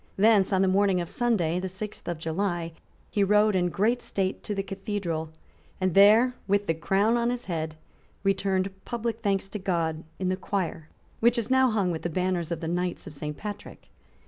Thence, on the morning of Sunday, the sixth of July, he rode in great state to the cathedral, and there, with the crown on his head, returned public thanks to God in the choir which is now hung with the banners of the Knights of Saint Patrick.